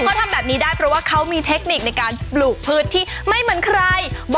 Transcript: เขาทำแบบนี้ได้เพราะว่าเขามีเทคนิคในการปลูกพืชที่ไม่เหมือนใคร